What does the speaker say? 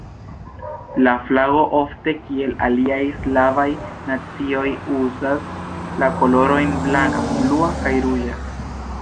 La flago, ofte kiel aliaj slavaj nacioj, uzas la kolorojn blanka, blua kaj ruĝa.